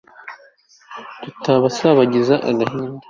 tutabasabagiza agahinda